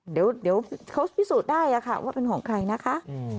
เดี๋ยวเขาพิสูจน์ได้ค่ะว่าเป็นของใครนะคะ